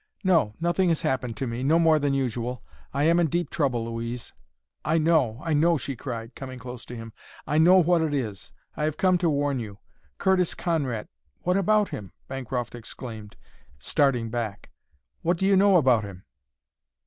"No; nothing has happened to me no more than usual. I am in deep trouble, Louise." "I know, I know," she cried, coming close to him. "I know what it is I have come to warn you. Curtis Conrad " "What about him?" Bancroft exclaimed, starting back. "What do you know about him?"